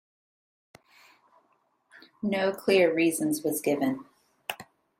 No clear reasons was given.